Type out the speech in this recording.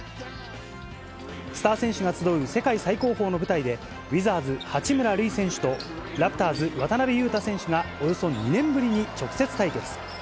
スター選手が集う世界最高峰の舞台で、ウィザーズ、八村塁選手と、ラプターズ、渡邊雄太選手がおよそ２年ぶりに直接対決。